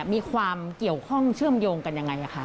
มีความเกี่ยวข้องเชื่อมโยงกันยังไงคะ